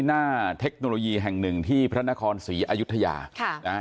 เทคโนโลยีแห่งหนึ่งที่พระนครศรีอยุธยาค่ะนะฮะ